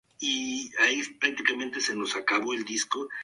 Cada una de estas plazas hace las veces de un centro vecinal.